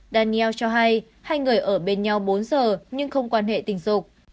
daniel cho hay hai người ở bên nhau bốn giờ nhưng không quan hệ tình dục